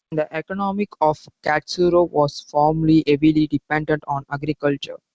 The economy of Katsuro was formerly heavily dependent on agriculture.